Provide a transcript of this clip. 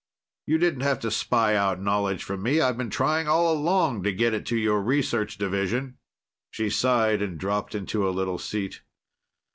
You didn't have to spy out knowledge from me. I've been trying all along to get it to your Research division." She sighed and dropped onto a little seat.